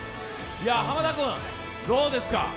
濱田君、どうですか。